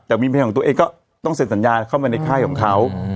แต่มีเพลงของตัวเองก็ต้องเซ็นสัญญาเข้ามาในค่ายของเขา